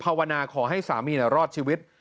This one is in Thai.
ภาวนาขอให้สามีรอดชีวิต